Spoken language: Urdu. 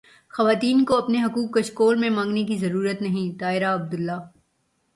خواتین کو اپنے حقوق کشکول میں مانگنے کی ضرورت نہیں طاہرہ عبداللہ